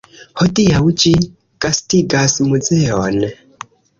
Hodiaŭ ĝi gastigas muzeon.